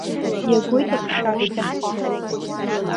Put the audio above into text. Иагоит аԥша шьҭахьҟа!